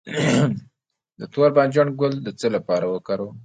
د تور بانجان ګل د څه لپاره وکاروم؟